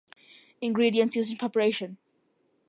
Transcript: Ingredients used in preparation.